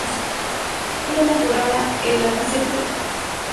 Esa temporada el Albacete desciende de categoría y Gato continúa en la plantilla.